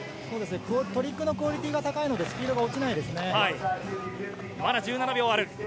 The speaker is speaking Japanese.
トリックのクオリティーが高いので、スピードが落ちないですね。